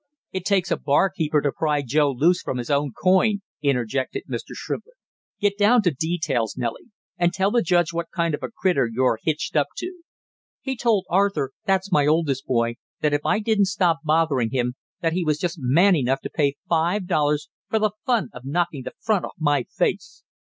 "It takes a barkeeper to pry Joe loose from his coin," interjected Mr. Shrimplin. "Get down to details, Nellie, and tell the judge what kind of a critter you're hitched up to." "He told Arthur, that's my oldest boy, if I didn't stop bothering him, that he was just man enough to pay five dollars for the fun of knocking the front off my face!"